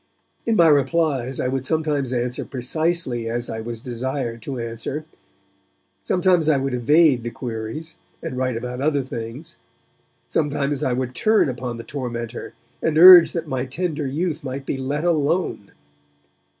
In my replies, I would sometimes answer precisely as I was desired to answer; sometimes I would evade the queries, and write about other things; sometimes I would turn upon the tormentor, and urge that my tender youth might be let alone.